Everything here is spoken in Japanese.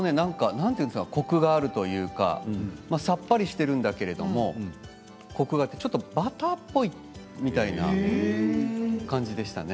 コクがあるというかさっぱりしているんだけれどもコクがあってちょっとバターっぽいみたいな感じでしたね。